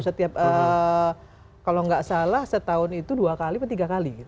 setiap kalau nggak salah setahun itu dua kali atau tiga kali